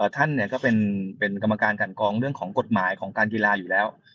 ท่านก็เป็นกรรมการกันกองเรื่องของกฎหมายของการกีฬาอยู่แล้ว